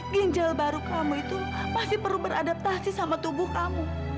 ginjal baru kamu itu pasti perlu beradaptasi sama tubuh kamu